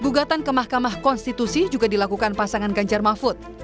gugatan ke mahkamah konstitusi juga dilakukan pasangan ganjar mahfud